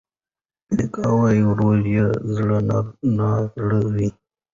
میکا وویل ورور یې زړه نا زړه و.